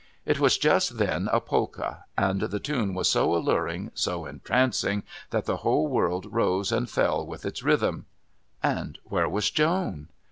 It was just then a Polka, and the tune was so alluring, so entrancing, that the whole world rose and fell with its rhythm. And where was Joan?